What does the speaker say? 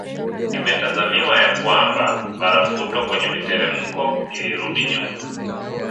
Imetazamiwa ya kwamba barafuto kwenye mitelemko ilirudi nyuma